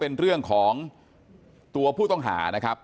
ทีมข่าวเราก็พยายามสอบปากคำในแหบนะครับ